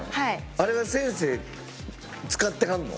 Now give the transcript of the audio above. あれは先生使ってはんの？